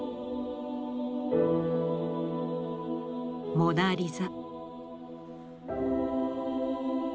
「モナ・リザ」。